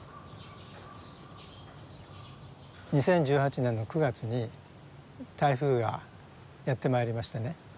２０１８年の９月に台風がやって参りましてね